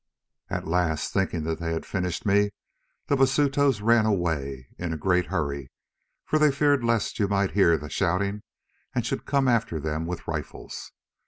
"At last, thinking that they had finished me, the Basutos ran away in a great hurry, for they feared lest you might hear the shouting and should come after them with rifles.